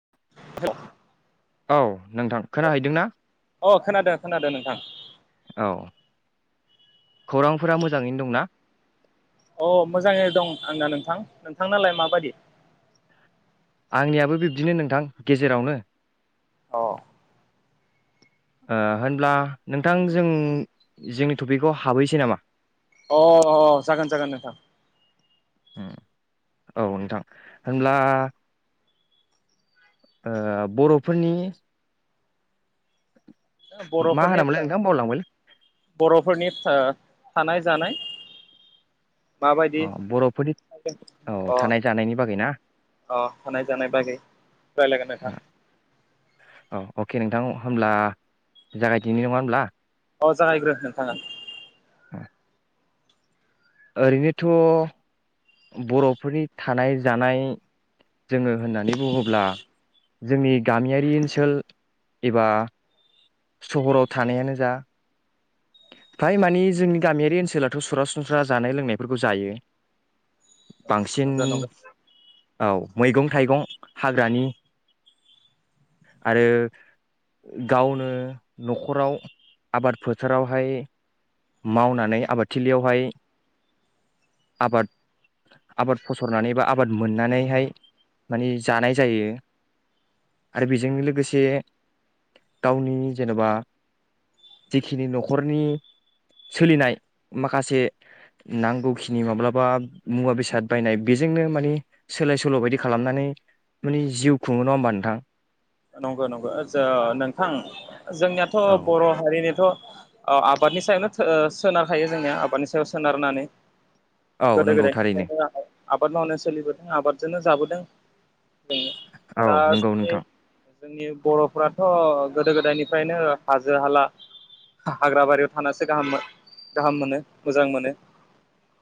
[inaudible] औ नोंथां खोनाहैदोंना अ खोनादो खोनादो नोंथां औ खौरांफोरा मोजाङैनो दंना अ मोजाङै दं आंना नोंथां नोंथांनालाय माबायदि आंनियाबो बिब्दिनो नोंथां गेजेरावनो अ ओ होनब्ला नोंथां जों जोंनि टपिकखौ हाबहैसै नामा अ जागोन जागोन नोंथां उम औ नोंथां होनब्ला ओ बर'फोरनि मा होनामोनलाय बर'फोरनिथा नोंथां बावलांबायलै बर'फोरनिथा थानाय जानाय अ माबायदि बर'फोरनि औ अ थानाय जानायनि बागै ना अ थानाय जानाय बागै रायलायगोन नोंथां औ अके नोंथां होमब्ला जागायदिनि नङा होमब्ला औ जागायग्रो नोंथाङा ओ ओरैनोथ बर'फोरनि थानाय जानाय जोङो होननानै बुङोब्ला जोंनि गामियारि ओनसोल एबा सहराव थानायानो जा फ्राय मानि जोंनि गामियारि ओनसोलाथ सरासनस्रा जानाय लोंनायफोरखौ जायो बांसिन नंगौ नंगौ औ मैगं थाइगं हाग्रानि आरो गावनो नखराव आबादफोर फोरावहाय मावनानै आबादथिलियावहाय आबाद आबाद फसरनानै बा आबाद मोननानैहाय माने जानाय जायो आरो बेजों लोगोसे गावनि जेनबा जेखिनि नखरनि सोलिनाय माखासे नांगौखिनि माब्लाबा मुवा बेसाद बायनाय बेजोंनो मानि सोलाय सोल बायदि खालामनानै माने जिउ खुङो नङा होमबा नोंथां नंगौ नंगौ नोंथां जोंनियाथ औ बर' हारिनिथ औ आबादनि सायावनो सोनारखायो जोंनिया आबादनि सायाव सोनारनानै औ गोदो नंगौ थारैनो गोदाय आबाद मावनो सोलिबोदों आबादजोंनो जाबोदों औ दा नंगौ नोंथां जोंनि बर'फ्राथ' गोदो गोदायनिफ्रायनो हाजो हाला हाग्राबारियाव थानासो गाहाम गाहाम मोनो मोजां मोनो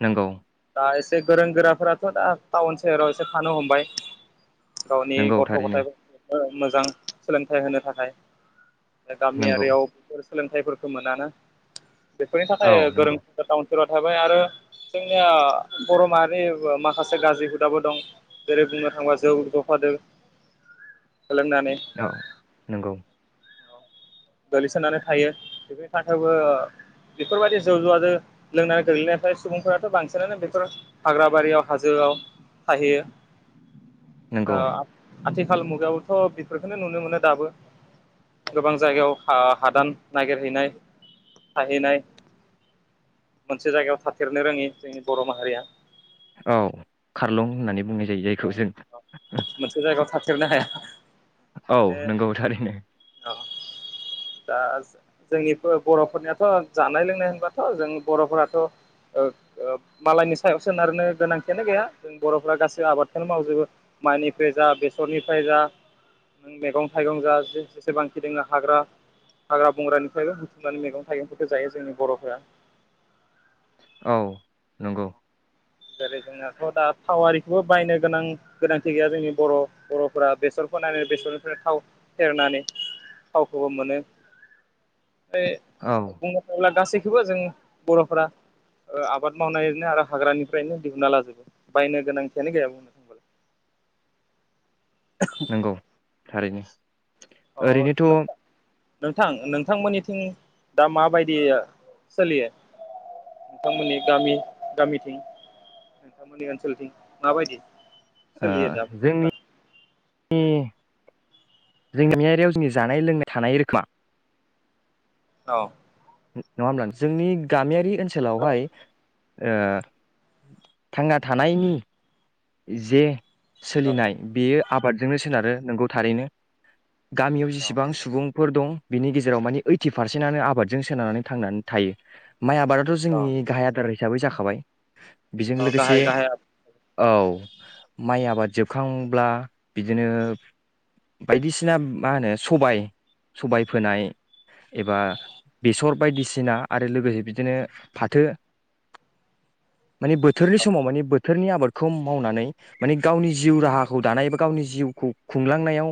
नोंगौ दा एसे गोरों गोराफोराथ' दा टाउन सोहोरावसो थानो हमबाय गावनि नंगौ गथ' थारैनो गथायफोरखौ ओ मोजां सोलोंथाइ होनो थाखाय नंगौ गामियारियाव सोलोंथाइफोरखौ मोनाना बेफोरनि औ थाखाय गोरों नंगौ गोराफोरा ताउन फोराव थाबाय आरो जोंनिया बर' माहारि माखासे गाज्रि हुदाबो दं जेरै बुंनो थांबा जौ जफादो लोंनानै औ नंगौ गोलैसोनानै थायो बेफोरनि थाखायबो बेफोरबायदि जौ जुवाजो लोंनानै गोलैनायफ्राय सुबुंफोराथ बांसिनानो बेफोर हाग्राबारियाव हाजोआव थाहैयो नंगौ ओ आथिखाल मुगायावथ' बेफोरखौनो नुनो मोनो दाबो गोबां जायगायाव आ हादान नागिरहैनाय थाहैनाय मोनसे जायगायाव थाथेरनो रोङि जोंनि बर' माहारिया औ खारलुं होननानै बुंनाय जायो जायखौ जों थेरनो हाया औ माने नोंगौ थारैनो औ दा जोंनि बर'फोरनियाथ' जानाय लोंनाय होनबाथ' जों बर'फोराथ' ओ ओ मालायनि सायाव सोनारनो गोनांथियानो गैया जों बर'फोरा गासैबो आबादखौनो मावजोबो माइनिफ्राय जा बेसरनिफ्राय जा नों मेगं थाइगं जा ज जेसेबांखि दङं हाग्रा हाग्रा बंग्रानिफ्रायबो बुथुमनानै मैगं थाइगंफोरखौ जायो जोंनि बर'फोरा औ नोंगौ जेरै जोंनाथ' दा थावारि बो बायनो गोनां गोनांथि गैया जोंनि बर' बर'फोरा बेसरफोनानै बेसरनिफ्रायनो थाव फेरेटनानै थावखौबो मोनो [unintelligible] औ बुंनो थाङोब्ला गासै खौबो जों बर'फोरा ओ आबाद मावनाय ओरैनो हाग्रानि फायनो दिहुनना लाजोबो बायनो गोनांथियानो गैयामोननो नंगौ [inaudible] थारैनो अ नोंथां ओरैनोथ' नोंथां नोंथांमोननिथिं दा माबायदि सोलियो नोंथांमोननि गामि गामिथिं नोंथांमोननि ओनसोलथिं माबायदि सोलियो दा जोंनि [unintelligible] जोंनियारियाव जोंनि जानाय लोंनाय थानाय रोखोमा औ नङा होमब्ला जोंनि गामियारि औ ओनसोलावहाय ओ थांना थानायनि जे सोलिनाय बेयो आबादजोंनो सोनारो नोंगौ थारैनो गामियाव जेसेबां औ सुबुं फोर दं बिनि गेजेराव मानि ओइटि पारसेन्टनो आबादजों सोनारनानै थांनानै थायो माइ आबादाथ' औ जोंनि गाहाय आदार हिसाबै जाखाबाय बेजों औ लोगोसे गाहाय गाहाय औ औ माइ आबाद जोबखांब्ला बिदिनो बायदिसिना मा होनो सबाय सबाय फोनाय एबा बेसर बायदिसिना आरो लोगोसे बिदिनो फाथो माने बोथोरनि समाव माने बो थोरनि आबाद खौ मावनानै माने गावनि जिउ राहाखौ दानाय बा गावनि जिउखौ खुंलांनायाव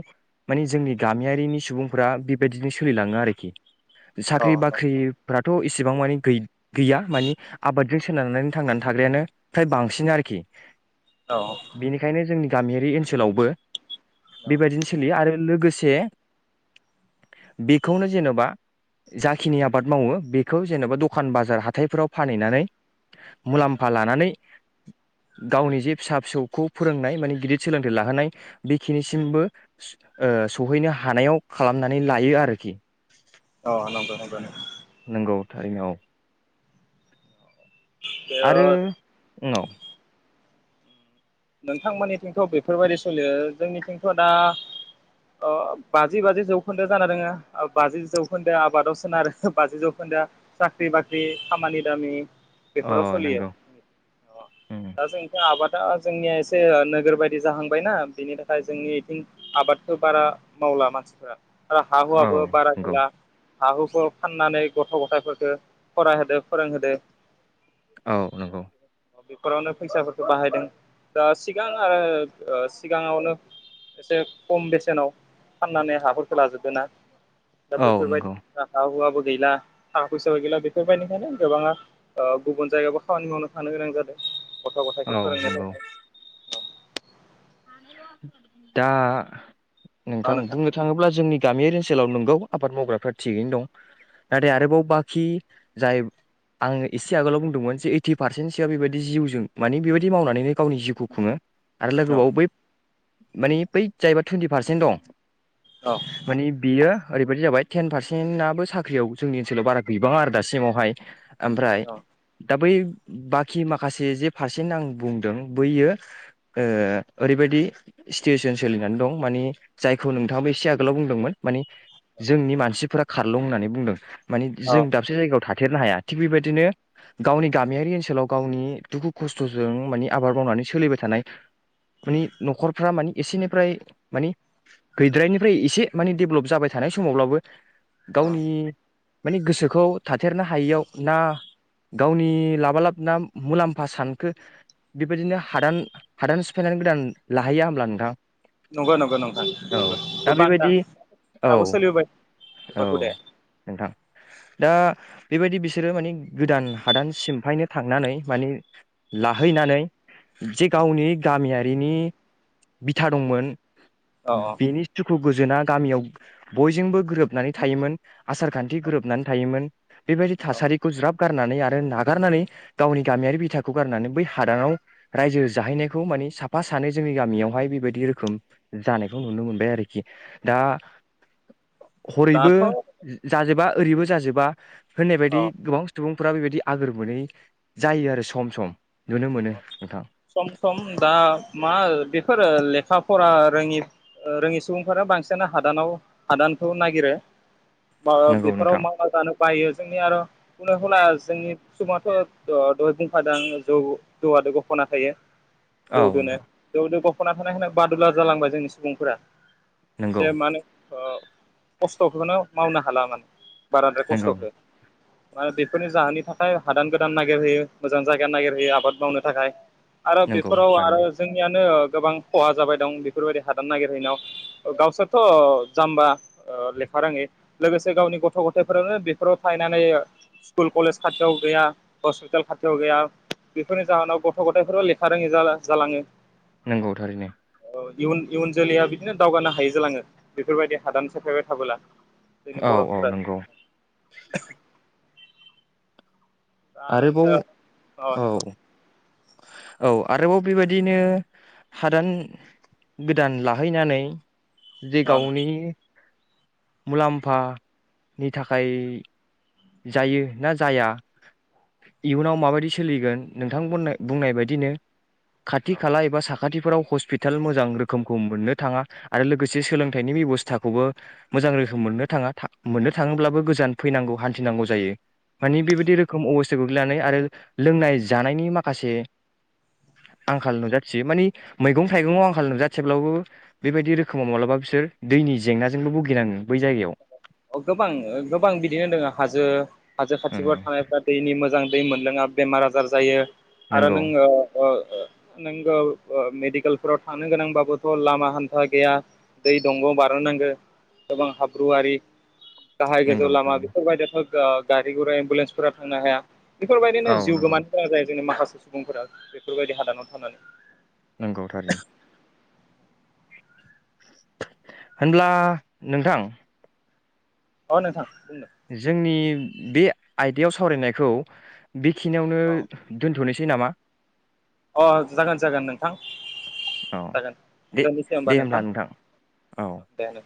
माने जोंनि गामियारिनि सुबुंफ्रा बेबायदिनो सोलिलाङो आरोखि साख्रि औ बाख्रिफ्रा थ' इसेबां मानि गै गैया मानि आबादजों सोनारनानै थांनानै थाग्रायानो फ्राय बांसिन आरोखि औ बेनिखायनो जोंनि गामियारि ओनसोलावबो बेबायदिनो सोलियो आरो लोगोसे बेखौनो जेनेबा जाखिनि आबाद मावो बेखौ जेन'बा दखान बाजार हााथाइफोराव फानहैनानै मुलाम्फा लानानै गावनि जे फिसा फिसौखौ फोरोंनाय माने गिदिर सोलोंथाइ लाहोनाय बेखिनिसिमबो सहैनो हानायाव खालामनानै लायो आरोखि औ नंगो नंगो जाइगाव आरो उनाव नोंथांमोननिथिंथ' बेफोरबायदि सोलियो जोंनिथिंथ' दा ओ बाजि बाजि जौखोन्दो जाना दोङो बाजि जौखोन्दो आबादाव सोनारो बाजि जौखोन्दोआ साख्रि बाख्रि खामानि दामि अ बेफोराव सोलियो नंगौ उम दा जोंनिथ आबाद द [unintelligible] जोंनिया एसे ओ नोगोर बायदि जाहांबायना बिनि थाखाय जोंनि बिथिं आबादखौ बारा मावला मानसिफ्रा आरो औ हाहुआबो बारा नंगौ गैला हाहुखौ फाननानै गथ' गथायफोरखौ फरायहोदो फोरोंहोदो औ नंगौ बेफोरावनो फैसाफोरखौ बाहायदों दा सिगां आरो ओ ओ सिगाङावनो एसे खम बेसेनाव फाननानै हाफोरखौ लाजोबदों ना दा औ नंगौ बेफोरबायदि हा हुवाबो गैला थाखा फैसा गैला बेफोरबायदिखायनो गोबाङा गुबुन जायगायावबो खामानि मावनो थानो गोनां जादों। गथ' गथायखौ औ नंगौ फोरोंनायखौ दा। नोंथां बुंनो थाङोब्ला जोंनि। बे गामियारि ओनसोलाव नंगौ आबाद मावग्राफ्रा थिगैनो दं। नाथाय औ औ आरोबाव बाखि जाय आं एसे आगोलाव बुंदोंमोन जे ओइटि पारसेन्टसोआ बेबायदि जिउजों मानिे बेबायदि मावनानैनो गावनि जिउखौ खुङो। आरोलाय गोबाव मानि बै जाहबा टुइन्टि पारसेन्ट दं माने बिय ओरैबायदि जाबाय टेन पारसेन्टाबो साख्रियाव जोंनि ओनसोलाव बारा बिबाङा आरो दासिमावहाय। ओमफ्राय औ दा बै बाखि माखासे जे पारसेन्ट आं बुंदों बैयो ओ ओरैबायदि सिटुवेसन सोलिनानै दं मानि जायखौ नोंथाङाबो एसे आगोलाव बुंदोंमोन नि जोंनि मानसिफोरा खारलुं' होननानै बुंदों। मानि औ जों दाबसे जायगायाव थाथेरनो हाया। थिग बेबायदिनो गावनि गामियारि ओनसोलाव गावनि दुखु खस्थ'जों माने आबाद मावनानै सोलिबाय थानाय। माने न'खरफ्रा माने एसेनिफ्राय माने गैद्रायनिफ्राय एसे माने डेभेलप जाबाय थानाय समावब्लाबो औ गावनि माने गोसोखौ थाथेरनो हायियाव ना गावनि लाबा लाब ना मुलाम्फा सानखो बेबायदिनो हादान हादान। सिफायनानै गोदान लाहैया होनब्ला नोंथां? नंगौ नंगौ नोंथां औ नंगौ दा बान्दा बेबायदि औ दाबो सोलिबोबाय बेफोर औ हुदाया। नोंथां दा बेबायदि बिसोरो माने गोदान हादान सिमफायनो थांनानै माने लाहैनानै जे गावनि गामियारिनि बिथा दंमोन। औ औ बिनि [unintelligible] गोजोना गामियाव बयजोंबो गोरोबनानै थायोमोन आसार खान्थि औ गोरोबनानै थायोमोन। बेबायदि औ थासारिखौ ज्राब गारनानै आरो नागारनानै गावनि गामियारि बिथाखौ गारनानै बै हादानाव रायजो जाहैनाय। खौ माने साफा सानै जोंनि गामियावहाय बेबायदि रोखोम जानायखौ नुनो मोनबाय आरोखि दा। हरैबो दाथ' जाजोबा। ओरैबो जाजोबा। होननाय बायदि औ गोबां सुबुं फोरा बेबायदि आगोर मोनै जायो आरो सम स नुनो मोनो नोंथां। सम सम दा मा बेफोरो लेखा फरा रोङि रोङि सुबुंफोरा बांसिनानो हादानाव हादानखौ नागिरो म नंगौ बेफोराव नोंथां मावना जानो बायो जोंनि आरो बुं हला जोंनि सुबाथ' दहाय बुंफादों आ जौ जौजों गोनां थायो औ जौदोनो नोंथां जौदो गफ ख'ना थानाय होन बादुला जालांबाय जोंनि सुबुंफोरा नंगौ एसे माने अ खस्थ'खौनो मावनो हाला माने बाराद्राय नंगौ खस्थखौ माने बेफोरनि जाहोननि थाखाय हादान गोदान नागिरहैयो मोजां जायगा नागिरहैयो आबाद मावनो थाखाय आरो नंगौ बेफोराव आरो थारैनो जोंनियानो गोबां खहा जाबाय दं बेफोरबायदि हादान नागिरहैनायाव गावसोरथ' जाम्बा ओ लेखा रोङै लोगोसे गावनि गथ' गथायफोरानो बेफोराव थाहैनानै स्कुल कलेज खाथियाव गैया हस्पिटाल खाथियाव गैया बेफोरनि जाहोनाव गथ' गथायफोरबो लेखा रोङि जा जालाङो नंगौ थारैनो इयुन इयुन जोलैया बिदिनो दावगानो हायै जालाङो बेफोरबायदि हादान सेफायबाय थाबोला जोंनि औ औ बर'फोरा नंगौ आरो आरोबाव जा अ औ नोंथां बुं औ आरोबाव बेबायदिनो हादान गोदान लाहैनानै जे अ नोंथां गावनि मुलाम्फानि थाखाय जायो ना जाया इयुनाव माबायदि सोलिगोन नोंथां बुंनाय बायदिनो खाथि अ खाला एबा साखा साखाथिफोराव हस्पिटाल मोजां रोखोमखौ मोननो थाङा आरो लोगोसे सोलोंथाइनि बेबस्थाखौबो मोजां रोखोम मोननो थाङा मोननो थाङोब्लाबो गोजान फैनांगौ हान थिनांगौ जायो मानि बेबायदि रोखोम अबस्थाया गोग्लैनानै आरो लोंनाय जानायनि माखासे आंखाल नुजाथियो मानि मैगं थाइगंयाव आंखाल नुजाथिब्लाबो बेबायदि रोखोमाव माब्लाबा बिसोर दैनि जेंनाजोंबो भुगिनाङो बै जायगायाव अ गोबां गोबां बिदिनो दोङो हाजो हाजो खाथिफ्राव उम थानायफ्रा दैनि मोजां दै मोनलोङा बेमार आजार जायो आरो नंगौ नों अ अ नोंगौ मेडिकेलफोराव थांनो गोनांबाबोथ लामा हान्था गैया दै दंग बार नांगौ गोबां हाब ब्रुवारि गाहाय गोजौ नंगौ लामा थारैनो बेफोर बायदियावथ ओ गारि गुरा एम्बुलेन्सफोरा थांनो हाया बेफोर औ बायदिनो जिउ नंगौ गोमानो गोनां जायो जोंनि माखासे सुबुंफोरा बेफोरबायदि हादानाव थानानै नंगौ थारैनो होनब्ला नोंथां औ नोंथां बुंनो जोंनि बे आयदायाव सावरायनायखौ बेखिनियावनो औ दोन्थनोसै सै नामा थां औ जागोन दे दोननोसै होमबा दे होमब्ला नोंथां औ दे नो